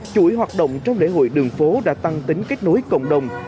chuỗi hoạt động trong lễ hội đường phố đã tăng tính kết nối cộng đồng